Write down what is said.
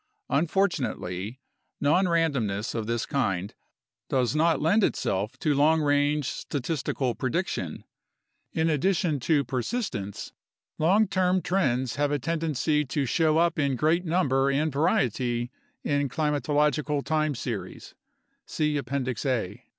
Unfortunately, nonrandomness of this kind does not lend itself to long range statistical prediction. In addition to persistence, long term trends have a tendency to show up in great number and variety in climato logical time series (see Appendix A).